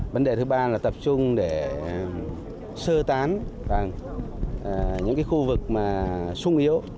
vấn đề thứ ba là tập trung để sơ tán những khu vực sung yếu